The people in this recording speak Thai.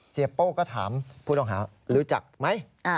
โป้ก็ถามผู้ต้องหารู้จักไหม